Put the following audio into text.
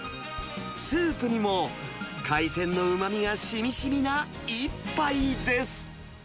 スープにも海鮮のうまみがしみしみな一杯です。